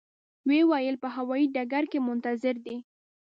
و یې ویل په هوایي ډګر کې منتظر دي.